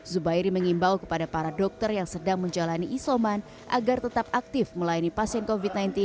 zubairi mengimbau kepada para dokter yang sedang menjalani isoman agar tetap aktif melayani pasien covid sembilan belas